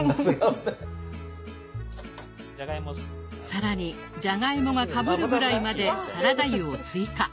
更にじゃがいもがかぶるぐらいまでサラダ油を追加。